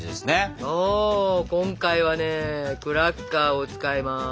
お今回はねクラッカーを使います。